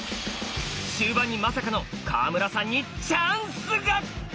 終盤にまさかの川村さんにチャンスが！